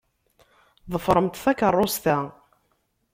Ḍefṛemt takeṛṛust-a.